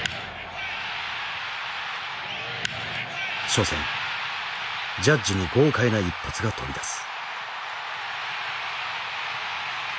初戦ジャッジに豪快な一発が飛び出す。